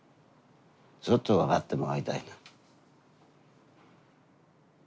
ずっと笑ってもらいたいな。